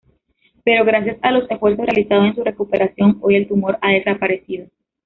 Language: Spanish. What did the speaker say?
Pero gracias a los esfuerzos realizados en su recuperación, hoy el tumor ha desaparecido.